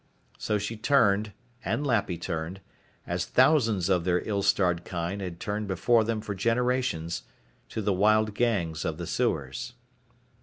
So she turned, and Lappy turned, as thousands of their ill starred kind had turned before them for generations, to the wild gangs of the sewers.